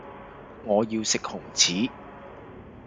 我要食紅柿